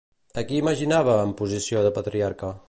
A qui imaginava en posició de patriarca?